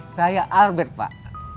saya arbet pak